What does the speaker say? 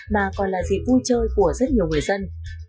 mà còn là dịp vui chơi của rất nhiều người dân